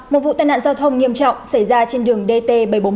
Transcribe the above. một vụ tai nạn giao thông nghiêm trọng xảy ra trên đường dt